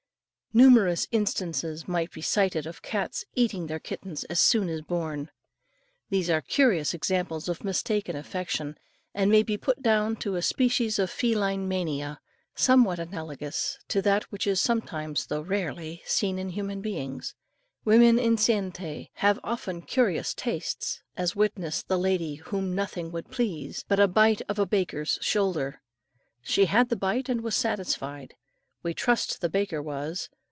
Numerous instances might be cited of cats eating their kittens as soon as born. These are curious examples of mistaken affection, and may be put down to a species of feline mania, somewhat analogous to that which is sometimes, though rarely, seen in human beings. Women enceinte have often curious tastes, as witness the lady whom nothing would please, but a bite of a baker's shoulder. She had the bite and was satisfied. We trust the baker was.